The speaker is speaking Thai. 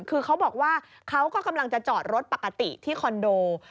คือเขาบอกว่าเขาก็กำลังจะจอดรถปกติที่คอนโด